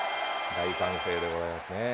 大歓声でございますね。